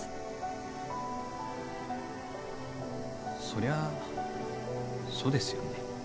そりゃそうですよね。